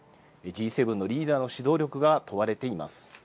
Ｇ７のリーダーの指導力が問われています。